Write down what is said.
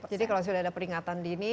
jadi kalau sudah ada peringatan dini